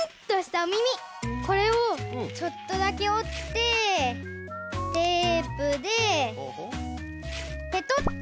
これをちょっとだけおってテープでペトッと。